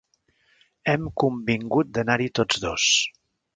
Hem convingut d'anar-hi tots dos.